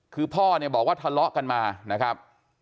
คือพ่อเนี่ยบอกว่าทะเลาะกันมานะครับ